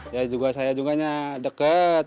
ya saya juga dekat